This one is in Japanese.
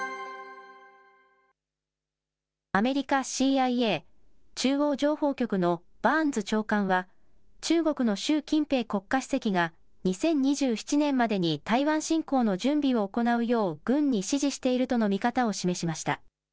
アメリカＣＩＡ・中央情報局のバーンズ長官は、中国の習近平国家主席が２０２７年までに台湾侵攻の準備を行うよう軍に指示しているとの見方を示しました。